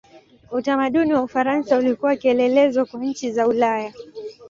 Utamaduni wa Ufaransa ulikuwa kielelezo kwa nchi za Ulaya.